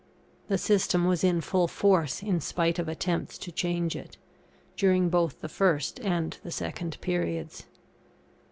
The system was in full force, in spite of attempts to change it, during both the first and the second periods.